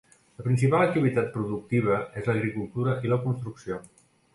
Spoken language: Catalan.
La principal activitat productiva és l'agricultura i la construcció.